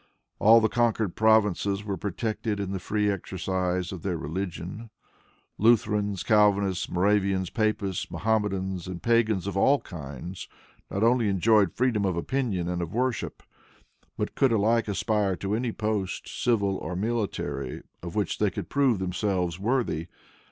All the conquered provinces were protected in the free exercise of their religion. Lutherans, Calvinists, Moravians, Papists, Mohammedans, and Pagans of all kinds, not only enjoyed freedom of opinion and of worship, but could alike aspire to any post, civil or military, of which they could prove themselves worthy.